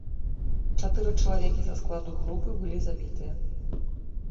Чатыры чалавекі са складу групы былі забітыя.